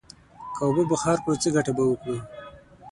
که اوبه بخار کړو، څه گټه به وکړو؟